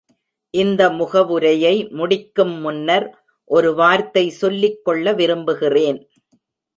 இந்த முகவுரையை முடிக்கும் முன்னர் ஒரு வார்த்தை சொல்லிக் கொள்ள விரும்புகிறேன்.